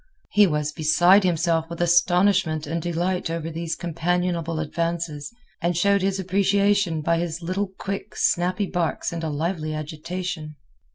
He was beside himself with astonishment and delight over these companionable advances, and showed his appreciation by his little quick, snappy barks and a lively agitation.